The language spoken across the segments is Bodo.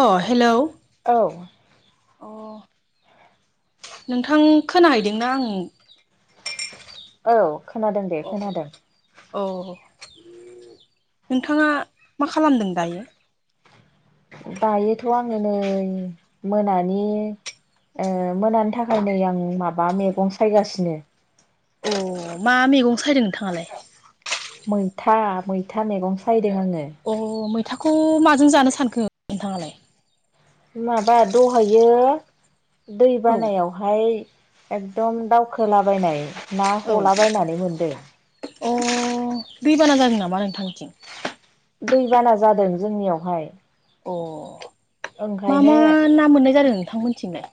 अ हेल' औ नोंथां खोनाहैदोंना आं औ खोनादों दे अ खोनादों अ नोंथाङा मा खालामदों दायो? दायोथ' आंङो नै मोनानि ए मोनानि थाखाय नै आं माबा मैगं सायगासिनो अ मा मैगं सायदों नोंथाङालाय? सा मैथा मैगं सायदों आंङो अ मैथाखौ माजों जानो सानखो नोंथाङालाय? माबा दहैयो दै औ बानायावहाय एखदम दावखोलाबायनाय ना औ हलाबायनानै मोनदों अ दैबाना जादों नामा नोंथांनिथिं? दैबाना जादों जोंनियावहाय अ मा मा ओंखायनो ना मोननाय जादों नोंथांमोनथिंलाय?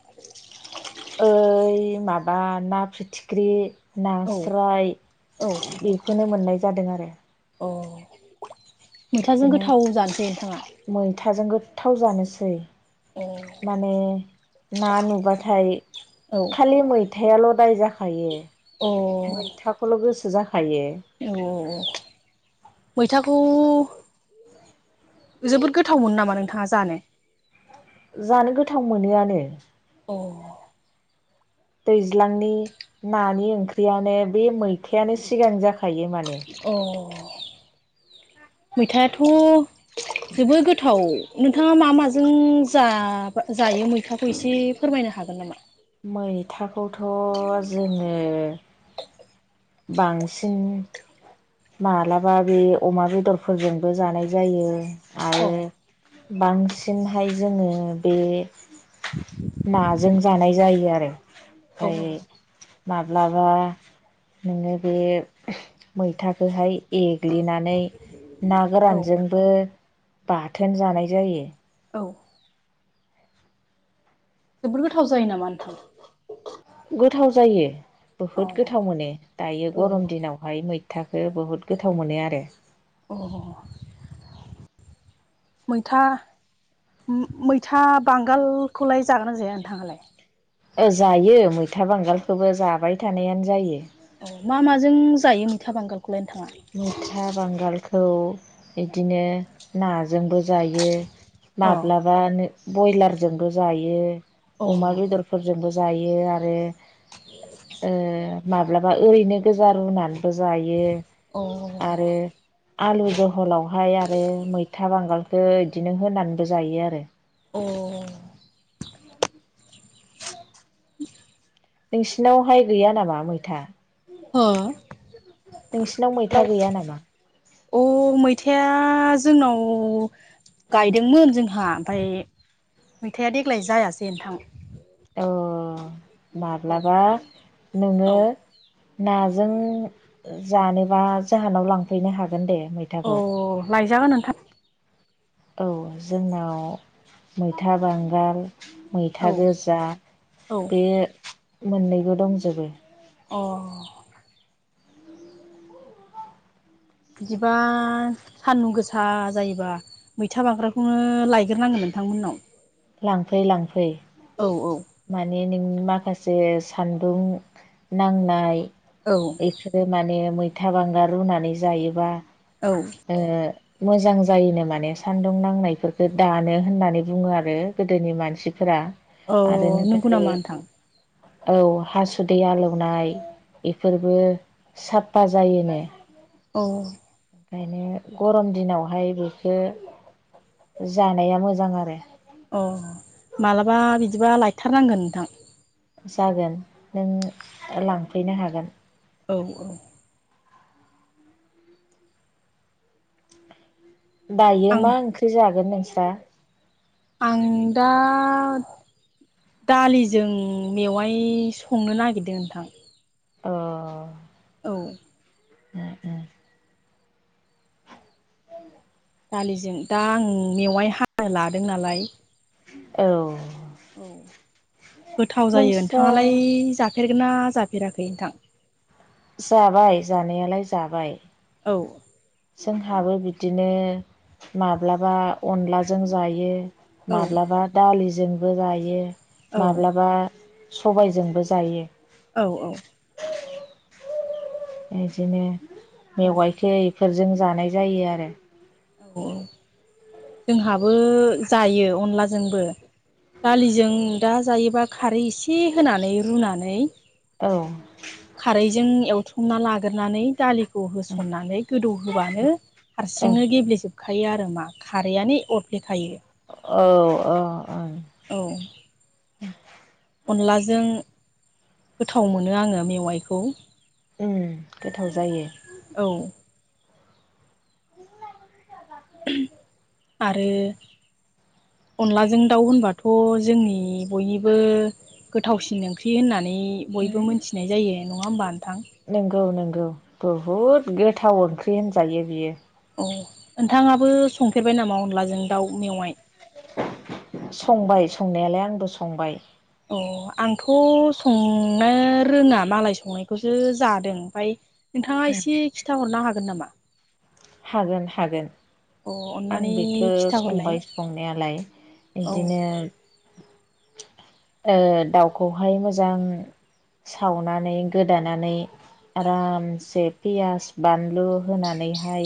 ओइ माबा ना फिथिख्रि औ नास्राय औ बेखौनो मोननाय जादों आरो अ मैथाजों बिदिनो गोथाव जानोसै नोंथाङा मैथाजों गो थाव जानोसै अ माने ना नुबाथाय औ खालि मै मैथायाल' दाय जाखायो अ मैथाखौल' गोसो जाखायो। औ मैथाखौ जोबोद गोथाव मोनो नामा नोंथाङा जानो? जानो गोथाव मोनोआनो। औ दैज्लांनि नानि ओंख्रियानो बे मैथायानो सिगां जाखायो माने। अ मैथायाथ' जोबोद गोथाव नोंथाङा मा माजों जाबा जायो मैथाखौ एसे फोरमायनो हागोन नामा? मैथाखौथ' जोङो बांसिन मालाबा बे अमा बेदरफोरजोंबो जानाय जायो औ आरो बांसिनहाय जोङो बे नाजों जानाय जायो आरो औ ओमफाय माब्लाबा नोङो बे मैथाखोहाय एग्लिनानै ना औ गोरानजोंबो बाथोन जानाय जायो। औ जोबोर गोथाव जायो नामा नोंथां? गोथाव जायो अ बुहुद गोथाव मोनो दायो औ गरम दिनावहाय मै थाखो बहुद गोथाव मोनो आरो। अ मैथा मैथा बांगालखौलाय जागोना जाया नोंथाङालाय? ओ जायो मैथा बांगालखौबो जाबाय थानायानो जायो। औ मा माजों जायो मैथा बांगालखौ? मैथा बांगालखौ बिदिनो नाजोंबो जायो। अ माब्लाबानो बयलारजोंबो जायो अ अमा बेदरफोरजोंबो जायो आरो ओ माब्लाबा ओरैनो गोजा रुनानैबो जायो अ आरो आलु जहलावहाय आरो मैथाबांगालखो इदिनो होनानैबो जायो आरो। अ [inaudible] नोंसिनावहाय गैया नामा मैथा? हो नोंसिनाव मैथा गैया नामा? अ मैथाया जोंनाव गायदोंमोन जोंहा ओमफाय मैथाया देग्लाय जायासै नोंथां। अ औ माब्लाबा नोङो औ नाजों जानोबा जाहोनाव लांफैनो हा गोन दे अ मैथाखौ। लायजागोन नोंथां औ जोंनाव मैथा बांगाल औ मैथा गोजा औ बे मोननैबो दंजोबो अ बिदिबा सान्दुं गोसा जायोबा मैथा बांग्राखौनो लायग्रोनांगोन नोंथांमोननाव। लांफै लांफै औ औ माने नों माखासे सान्दुं नांनाय औ बेफोरो माने मैथा बांगाल रुनानै जायोबा औ ए मोजां जायोनो माने सान्दुं नांनायफोरखो दानो होननानै बुङो आरो गोदोनि मानसिफोरा। औ आरोनो नंगौ जेरै नामा नोंथां औ हासुदै आलौवनाय बेफोरबो साफा जायोनो। औ ओंखायनो गरम दिनावहाय बेखौ जानाया मोजां आरो अ माब्लाबा बिदिबा लायथारनांगोन नोंथां जागोन नों लांफैनो हागोन औ औ दायो आं मा ओंख्रि जागोन नोंस्रा आं दा दालिजों मेवाय संनो नागिरदों नोंथां अ औ उम उम [inaudible] दालिजों दा आं मेवाय हानो लादों नालाय औ गोथाव जायो नोंस्रा नोंथाङालाय जा- फेरगोन ना जाफेराखै नोंथां जाबाय जानायालाय जाबाय औ हाबो बिदिनो माब्लाबा अनलाजों जायो औ माब्लाबा दालिजोंबो जायो औ माब्लाबा सबायजोंबो जायो। औ औ [inaudible] इदिनो औ मेवाइखौ इफोरजों जानाय जायो आरो औ जोंहाबो जायो अनलाजोंबो दालिजों दा जायोबा खारै एसे होनानै रुनानै औ खारैजों एवथुमना लाग्रोनानै दालिखौ होसननानै गोदौ होबानो ओं हारसिंनो गेब्लेेजोबखायो आरो मा खारैआनो अरफ्लेखायो। औ अ औ अनलाजों गोथाव मोनो आङो मेवाइखौ उम गोथाव जायो औ आरो अनलाजों दाउ होनबाथ' जोंनि बयनिबो गोथावसिन ओंख्रि होननानै बयबो मोनथिनाय जायो नङा होमबा नोंथां नंगौ नंगौ बहुद गोथाव ओंख्रि होनजायो बियो औ नोंथाङाबो संफेरबाय नामा अनलाजों दाउ मेवाय संबाय संनायालाय आंबो संबाय उम आंथ' संनो रोङा मालाय संनायखौसो जादों ओमफ्राय नोंथाङा एसे खिन्थााहरनो हागोन नामा हागोन हागोन अ आं अननानै बेखौ खिन्थाहरलाय संबाय संनायालाय औ बिदिनो ओ दाउखौहाय मोजां सावनानै गोदानानै आरामसे पियास बान- लु होनानैहाय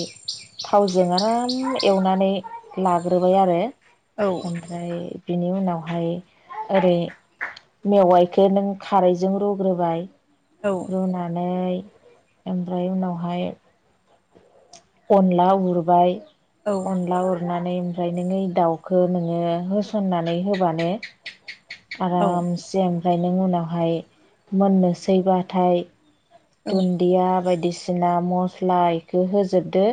थावजों आराम एवनानै लाग्रोबाय आरो औ ओमफ्राय बिनि उनावहाय ओरै मेवाइखौ नों खारैजों रुग्रोबाय औ रुनानै ओमफ्राय उनावहाय अनला उरबाय औ अनला उरनानै ओमफ्राय नोङो दाउखौ नोङो होसननानै होबानो औ आरामसे ओमफ्राय नों उनावहाय मोननोसै बाथाय दुन्दिया बायदिसिना मस्ला एखौ होजोबदो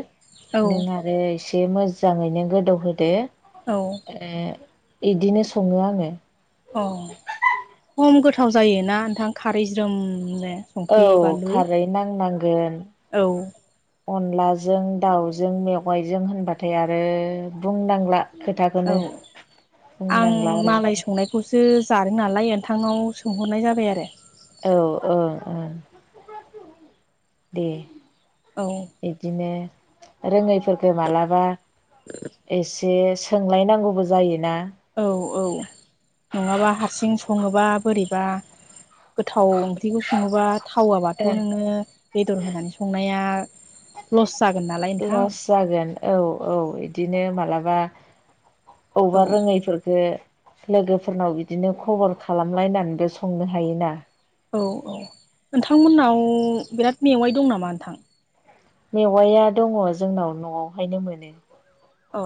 औ नों आरो एसे मोजाङैनो गोदौहोदो औ ओ बिदिनो संङो आङो। औ खम गोथाव जायोना नोंथां खारै ज्रोमनो? औ संख्रि बानलु खारै नांनांगोन औ अनलाजों दाउजों मेवाइजों होनबाथाय आरो बुंनांला औ खोथाखौनो आं बुंनांला आरो मालाय संनायखौसो जादों नालाय नोंथांनाव सोंहरनाय जाबाय आरो औ औ ओं दे औ बिदिनो रोंङै फोरखो मालाबा एसे सोंलायनांगौबो जायोना औ औ नङाबा हारसिं सङोबा बोरैबा गोथाव ओंख्रिखौ सङोबा थावाबाथ' ओं नोङो बेदर होनानै संनाया लस जागोन नालाय नोंथां ल'स जागोन औ औ ए दिनो मालाबा औ अबेबा रोङैफोरखो लोगोफोरनाव बिदिनो खबर खालामलायनानैबो संनो हायोना? औ औ नोंथांमोननाव बिराद मेवाइ दं नामा नोंथां? मेवाया दङ जोंनाव न'आवहायनो मोनो। औ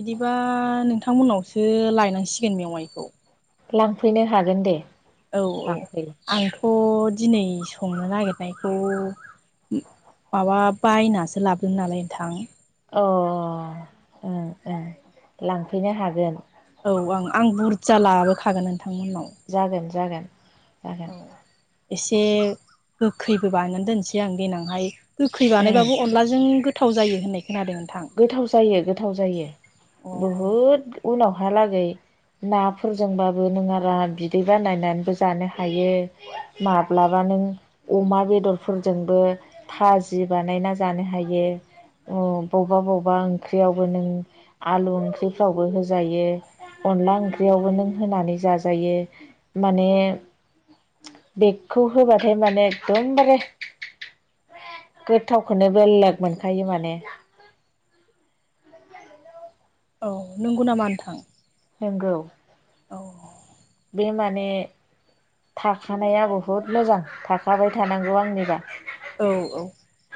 बिदिबा नोंथांमोननावसो लायनांसिगोन मेवाइखौ लांफैनो हागोन दे औ औ लांफै आंथ' दिनै संनो नागिरनायखौ माबा बायनासो लाबोदों नालाय नोंथां। अ ओं ओं लांफैनो हागोन औ ओं आं बुरजा लाबोखागोन नोंथांमोननाव जागोन जागोन। जागोन औ एसे गोखैबो बानायनानै दोनसै आं देनांहाय गोखै उम बानायबाबो अनलाजों गोथाव जायो होननाय खोनादों नोंथां गोथाव जायो गोथाव जायो अ बुहुद उनावहालागै नाफोरजोंबाबो नों आरो बिदै बानायनानैबो जानो हायो, माब्लाबा नों अमा बेदरफोरजोंबो थाजि बानायना जानो हायो अ [inaudible] बबेबा बबेबा ओंख्रियावबो नों आलु ओंख्रिफ्रावबो होजायो। अनला ओंख्रियावबो नों होनानै जाजायो माने बेगखौ होबाथाय माने एकदमबारे गोथावखौनो बेलेग मोनखायो माने औ नंगौ नामा नोंथां? नोंगौ औ बे माने थाखानाया बुहुद मोजां थाखाबाय थानांगौ आंनिबा। औ औ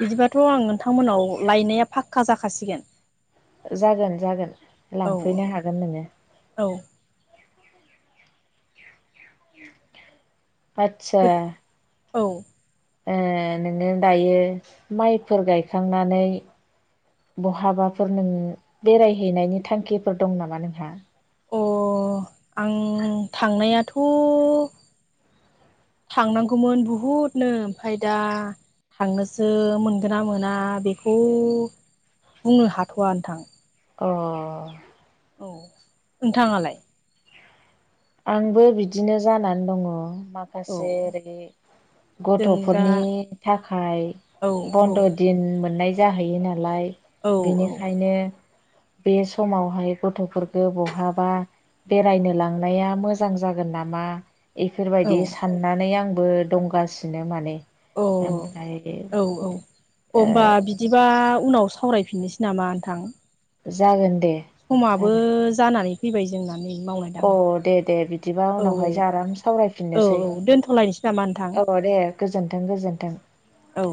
बिदिबाथ' आं नोंथांमोनाव लायनाया फाखका जाखासिगोन। जागोन जागोन औ लांफैनो हागोन नोङो। औ आतसा औ ए नोङो दायो माइफोर गायखांनानै बहाबाफोर नों बेरायहैनायनि थांखिफोर दं नामा नोंहा? अ आं थांनायाथ' थांनांगौमोन बहुदनो आमफाय दा थांनोसो मोनगोन ना मोना बेखौ बुंनो हाथ'वा नोंथां। अ औ नोंथाङालाय? आंबो बिदिनो जानानै दङ औ माखासे ओरै जों दा गथ'फोरनि थाखाय औ औ बन्द' दिन मोननाय जाहैयो नालाय औ बेनिखायनो बे समावहाय गथ'फोरखौ बहाबा बेरायनो लां नाया मोजां जागोन नामा बेफोर औ बायदि साननानै आं बो दंगासिनो माने ओमफ्राय अ होमबा बिदिबा उनाव सावरायफिननोसै नामा नोंथां? जागोन। दे समाबो जागोन जानानै फैबाय जोंना। नै मावनाय अ दांनाया दे दे बिदिबा औ उनावहायसो आराम औ सावरायफिननोसै। औ दोनथ'लायनोसै नामा नोंथां औ दे गोजोन्थों गोजोन्थों। औ।